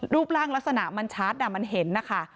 รูปร่างลักษณะมันชัดมันเห็นนะคะ